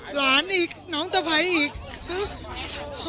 หลานอีกน้องสะพัยอีก